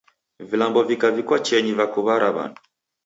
Vilambo vikaw'ikwa chienyi vakuw'ara w'andu.